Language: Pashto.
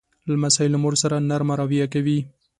لمسی له مور سره نرمه رویه کوي.